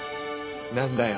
何だよ